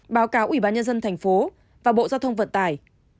báo cáo ủy ban nhân dân thành phố và bộ giao thông vận tải